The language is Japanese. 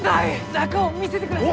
中を見せてください！